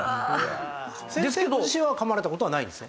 先生ご自身は噛まれた事はないんですね？